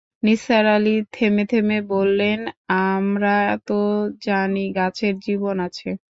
নিসার আলি থেমে-থেমে বললেন, আমরা তো জানি গাছের জীবন আছে।